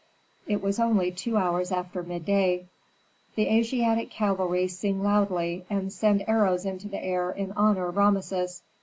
It was only two hours after midday. The Asiatic cavalry sing loudly, and send arrows into the air in honor of Rameses.